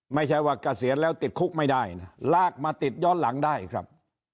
ไม่ใช่ว่าเกษียณแล้วติดคุกไม่ได้นะลากมาติดย้อนหลังได้ครับ